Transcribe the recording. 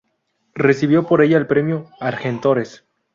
Recibió por ella el premio Argentores.